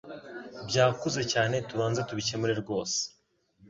byakuze cyane tubanze tubikemure rwose